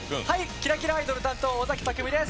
キラキラアイドル担当尾崎匠海です。